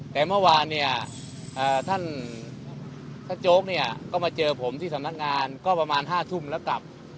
แต่เมื่อวานท่านโจ๊กก็มาเจอผมที่สำนักงานก็ประมาณห้าทุ่มแล้วกลับ